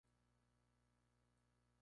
Está rodeado de monte indígena.